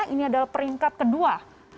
ini adalah peringkat kedua